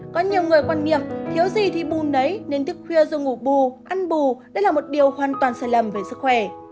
có nhiều người quan nghiệp thiếu gì thì bù nấy nên thức khuya dùng ngủ bù ăn bù đây là một điều hoàn toàn sai lầm về sức khỏe